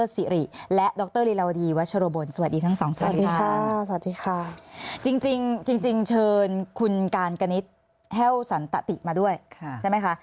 สวัสดีค่ะจริงเชิญคุณการกะนิดแฮ่วสันตะติมาด้วยใช่ไหมคะ